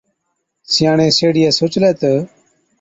سِياڻي سيهڙِيئَي سوچلَي تہ،